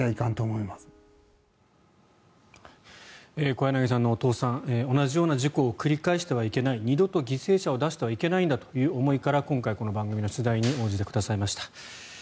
小柳さんのお父さん同じような事故を繰り返してはいけない二度と犠牲者を出してはいけないんだという思いから今回、この番組の取材に応じてくださいました。